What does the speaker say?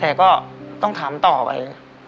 แต่ก็ต้องถามต่อไป